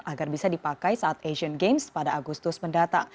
agar bisa dipakai saat asian games pada agustus mendatang